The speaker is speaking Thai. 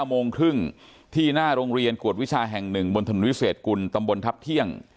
โมงครึ่งที่หน้าโรงเรียนกวดวิชาแห่ง๑บนถนนวิเศษกุลตำบลทัพเที่ยง